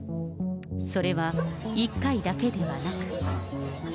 それは一回だけではなく。